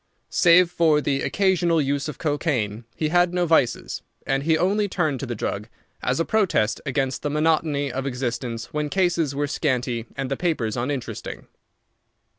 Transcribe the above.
Save for the occasional use of cocaine, he had no vices, and he only turned to the drug as a protest against the monotony of existence when cases were scanty and the papers uninteresting.